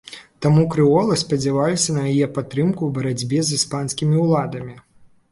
Таму крэолы спадзяваліся на яе падтрымку ў барацьбе з іспанскімі ўладамі.